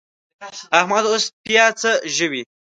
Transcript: احمد اوس پياڅه ژووي.